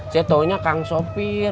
saya tahunya kang sopir